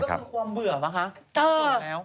คือความเบื่อป่ะคะ